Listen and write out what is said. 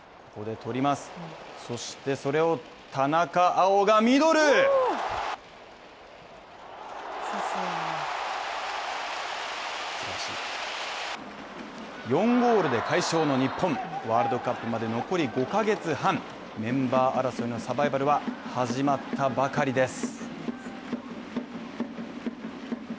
それを田中碧がミドル４ゴールで快勝の日本ワールドカップまで残り５ヶ月半、メンバー争いのサバイバルは始まったばかりです。